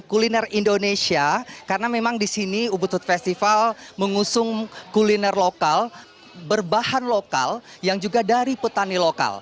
kuliner indonesia karena memang di sini ubutut festival mengusung kuliner lokal berbahan lokal yang juga dari petani lokal